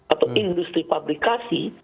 atau industri pabrikasi